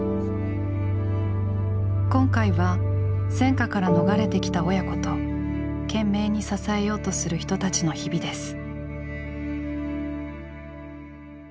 今回は戦禍から逃れてきた親子と懸命に支えようとする人たちの日々です。